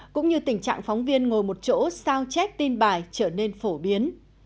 cũng như tình trạng phóng viên ngồi một chỗ sao chép tin bài trở nên phổ biến